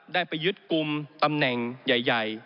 ได้ไปยึดกลุ่มตำแหน่งใหญ่